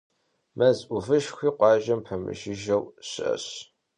Мэз ӏувышхуи къуажэм пэмыжыжьэу щыӏэщ.